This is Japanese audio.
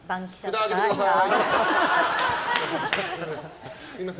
札上げてください！